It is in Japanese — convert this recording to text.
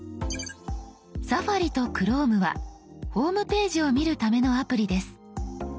「Ｓａｆａｒｉ」と「Ｃｈｒｏｍｅ」はホームページを見るためのアプリです。